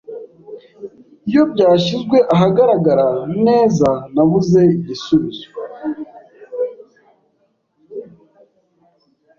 Iyo byashyizwe ahagaragara neza, nabuze igisubizo.